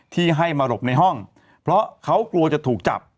ที่ให้มาหลบในห้องเพราะเขากลัวจะถูกจับ